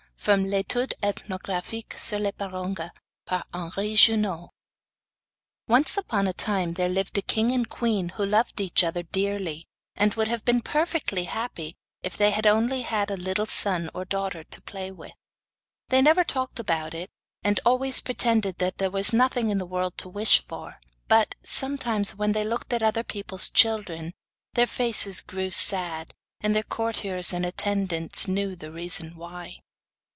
[From L'Etude Ethnographique sur les Baronga, par Henri Junod.] The White Doe Once upon a time there lived a king and queen who loved each other dearly, and would have been perfectly happy if they had only had a little son or daughter to play with. They never talked about it, and always pretended that there was nothing in the world to wish for; but, sometimes when they looked at other people's children, their faces grew sad, and their courtiers and attendants knew the reason why.